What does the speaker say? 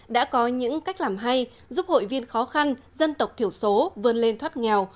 đã có những cách làm hay giúp hội viên khó khăn dân tộc thiểu số vươn lên thoát nghèo